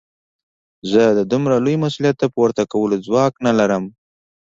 زه د دومره لوی مسوليت د پورته کولو ځواک نه لرم.